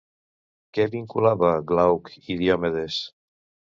Què vinculava Glauc i Diomedes?